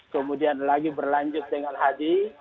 kemudian lagi berlanjut dengan haji